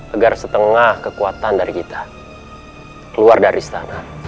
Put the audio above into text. agar setengah kekuatan dari kita keluar dari istana